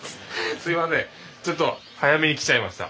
すいませんちょっと早めに来ちゃいました。